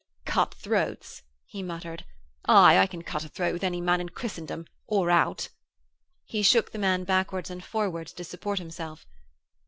'Cut throats?' he muttered. 'Aye, I can cut a throat with any man in Christendom or out.' He shook the man backwards and forwards to support himself.